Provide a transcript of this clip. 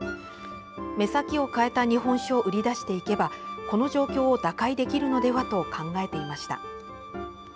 目先を変えた日本酒を売り出していけばこの状況を打開できるのではと考えていました。